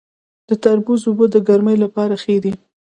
د تربوز اوبه د ګرمۍ لپاره ښې دي.